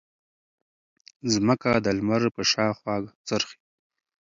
ځمکه د لمر په شاوخوا څرخي.